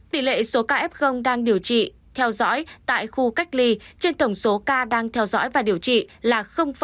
tỷ lệ số ca f đang điều trị theo dõi tại khu cách ly trên tổng số ca đang theo dõi và điều trị là hai mươi tám